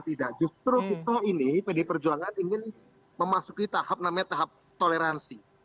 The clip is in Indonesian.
tidak justru kita ini pdi perjuangan ingin memasuki tahap namanya tahap toleransi